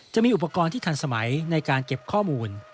จะมีอุปกรณ์ที่ทันสมัยในการเก็บข้อมูล